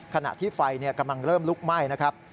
ขณะที่ไฟกำลังเริ่มลุกไหม้นะครับ